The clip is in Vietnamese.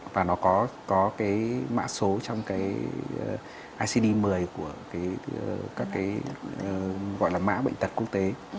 và nó có mạ số trong icd một mươi của các mạ bệnh tật quốc tế